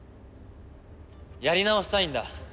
やり直したいんだ。